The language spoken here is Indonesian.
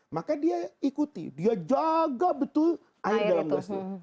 maka dia ikuti dia jaga betul air dalam gelasnya